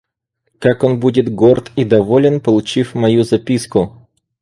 Как он будет горд и доволен, получив мою записку!